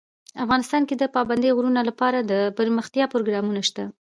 افغانستان کې د پابندی غرونه لپاره دپرمختیا پروګرامونه شته.